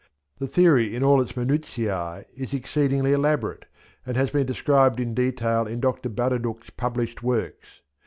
The theory in all its minutiae is exceedingly elaborate, and has been described in detail in Dr. Baraduc's published works.